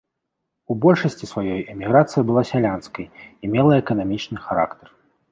У большасці сваёй эміграцыя была сялянскай і мела эканамічны характар.